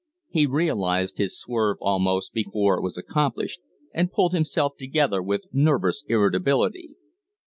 He realized his swerve almost before it was accomplished, and pulled himself together with nervous irritability.